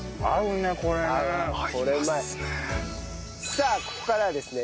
さあここからはですね